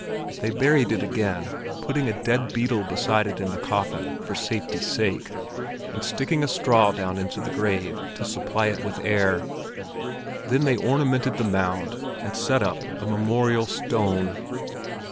They buried it again, putting a dead beetle beside it in the coffin for safety's sake, and sticking a straw down into the grave to supply it with air. Then they ornamented the mound, and set up a memorial stone.